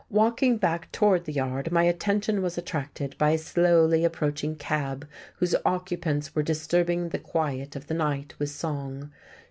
Walking back toward the Yard my attention was attracted by a slowly approaching cab whose occupants were disturbing the quiet of the night with song.